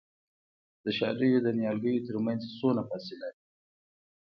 د شالیو د نیالګیو ترمنځ څومره فاصله وي؟